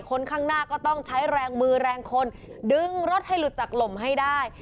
คนข้างหน้าก็ต้องใช้แรงมือแรงคนดึงรถให้หลุดจากลมให้ได้